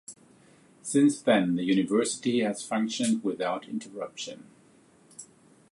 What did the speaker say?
Since then the university has functioned without interruption.